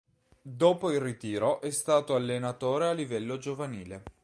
Dopo il ritiro è stato allenatore a livello giovanile.